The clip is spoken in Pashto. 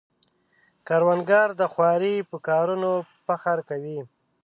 کروندګر د خوارۍ په کارونو فخر کوي